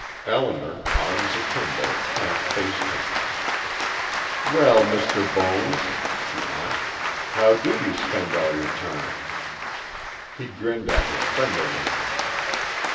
Elinor, arms akimbo, half faced him. "Well, Mr. Bones," she asked. "How do you spend all your time?" He grinned at her, friendlily.